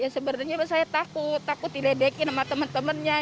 sebenarnya saya takut takut diledekin sama teman temannya